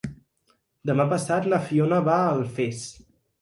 Demà passat na Fiona va a Alfés.